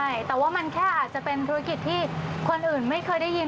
ใช่แต่ว่ามันแค่อาจจะเป็นธุรกิจที่คนอื่นไม่เคยได้ยิน